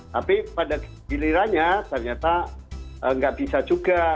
tapi pada gilirannya ternyata nggak bisa juga